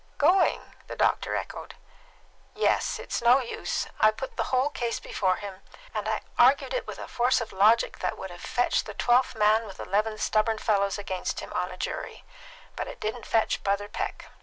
"Going?" the doctor echoed. "Yes. It's no use. I put the whole case before him, and I argued it with a force of logic that would have fetched the twelfth man with eleven stubborn fellows against him on a jury; but it didn't fetch Brother Peck.